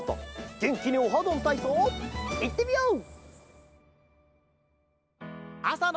げんきに「オハどんたいそう」いってみよう！